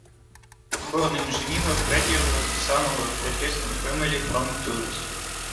Born in Geneva, Pradier was the son of a Protestant family from Toulouse.